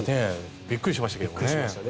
びっくりしましたけどね。